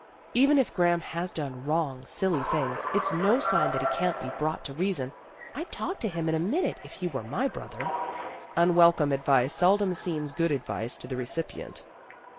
Even if Graham has done wrong, silly things, it's no sign that he can't be brought to reason. I'd talk to him in a minute, if he were my brother." Unwelcome advice seldom seems good advice to the recipient.